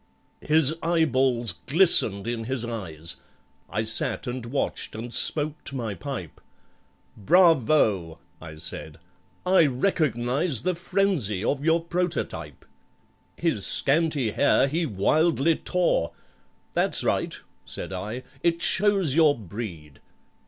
His eyeballs glistened in his eyes— I sat and watched and smoked my pipe; "Bravo!" I said, "I recognize The phrensy of your prototype!" His scanty hair he wildly tore: "That's right," said I, "it shows your breed."